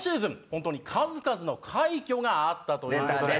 本当に数々の快挙があったという事で。